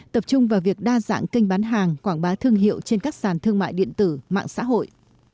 tập trung vào việc đa dạng kênh bán hàng quảng bá thương hiệu trên các sàn thương mại điện tử mạng xã hội